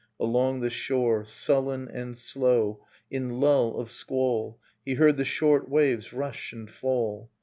Along the shore. Sullen and slow, in lull of squall, He heard the short waves rush and fall.